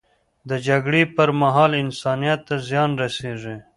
د جګړې پر مهال، انسانیت ته زیان رسیږي.